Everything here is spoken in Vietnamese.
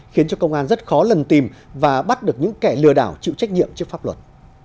khiến cho công an rất khó lần tìm và bắt được những kẻ lừa đảo chịu trách nhiệm trước pháp luật